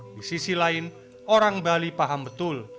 di sisi lain orang bali paham betul